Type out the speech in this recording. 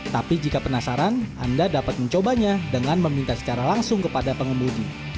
tapi jika penasaran anda dapat mencobanya dengan meminta secara langsung kepada pengemudi